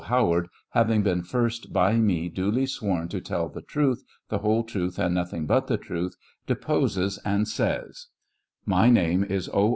Howard, having been firs't by me duly sworn to tell the truth, the whole truth, and nothing biit the truth, deposes and says: My name is O.